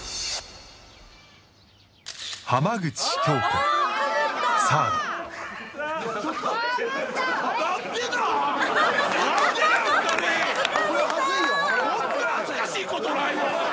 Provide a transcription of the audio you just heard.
こんな恥ずかしいことないわ！